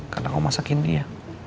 karena kamu masakin dia